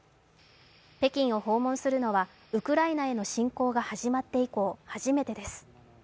北京を訪問するのはウクライナへの侵攻が始まって以降、初めてです。